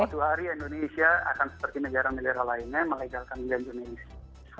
suatu hari indonesia akan seperti negara negara lainnya melegalkan bulan jurnalis